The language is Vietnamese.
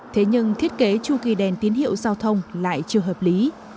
thế nhưng thiết kế chu kỳ đèn tín hiệu giao thông lại chưa hợp lý